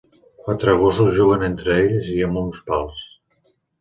Quatre gossos juguen entre ells i amb uns pals.